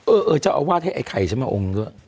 เอ่ออยากวาดให้ไอ้ไข่ผมมาอ่อมด้วย